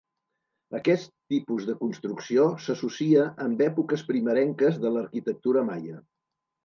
Aquest tipus de construcció s'associa amb èpoques primerenques de l'arquitectura maia.